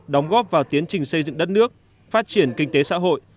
đóng góp vào tiến trình xây dựng đất nước phát triển kinh tế xã hội